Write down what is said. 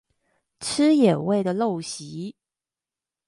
吃野味的陋習